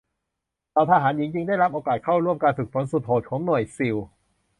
เหล่าทหารหญิงจึงได้รับโอกาสเข้าร่วมการฝึกฝนสุดโหดของหน่วยซีล